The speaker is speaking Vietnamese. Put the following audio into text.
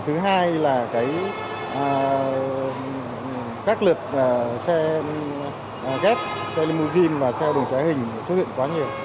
thứ hai là cái các lượt xe ghép xe limousine và xe đồng trải hình xuất hiện quá nhiều